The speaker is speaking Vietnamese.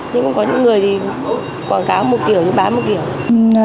nhưng cũng có những người thì quảng cáo một kiểu như bán một kiểu